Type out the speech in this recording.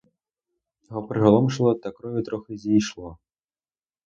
Його приголомшило та крові трохи зійшло.